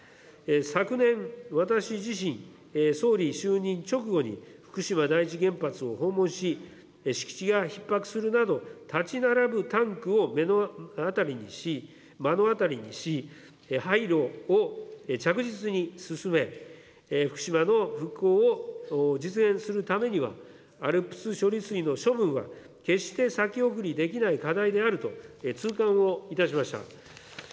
昨年、私自身、総理就任直後に、福島第一原発を訪問し、敷地がひっ迫するなど、建ち並ぶタンクを目の当たりにし、廃炉を着実に進め、福島の復興を実現するためには、ＡＬＰＳ処理水の処分は、決して先送りできない課題であると痛感をいたしました。